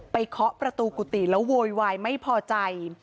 เคาะประตูกุฏิแล้วโวยวายไม่พอใจ